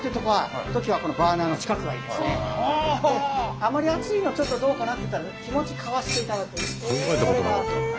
あんまり熱いのはちょっとどうかなっていったら気持ちかわしていただく。